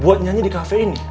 buat nyanyi di kafe ini